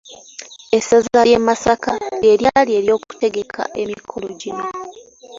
Essaza ly’e Masaka lye lyali eryokutegeka emikolo gino.